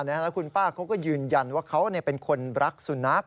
แล้วคุณป้าเขาก็ยืนยันว่าเขาเป็นคนรักสุนัข